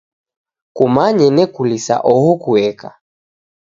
Kumanye nekulisa oho kueka.